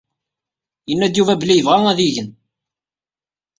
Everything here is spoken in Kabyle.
Yenna-d Yuba belli yebɣa ad igen.